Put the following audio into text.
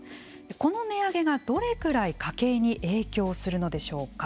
この値上げがどれくらい家計に影響するのでしょうか。